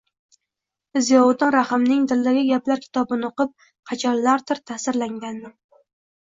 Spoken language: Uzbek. Ziyovuddin Rahimning “Dildagi gaplar” kitobini o‘qib, qachonlardir o‘qib ta’sirlanganim